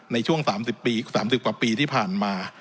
ในช่วง๓๐ปี๓๐กว่าปีที่ผ่านมา